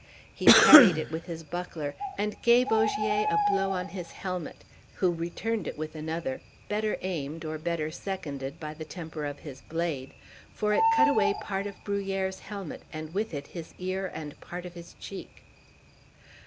He parried it with his buckler, and gave Ogier a blow on his helmet, who returned it with another, better aimed or better seconded by the temper of his blade, for it cut away part of Bruhier's helmet, and with it his ear and part of his cheek.